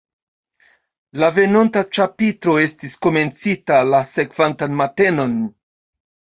La venonta ĉapitro estis komencita la sekvantan matenon.